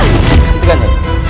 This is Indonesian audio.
untuk mengepun kematianmu